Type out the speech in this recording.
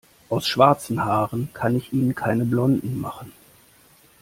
Aus schwarzen Haaren kann ich Ihnen keine blonden machen.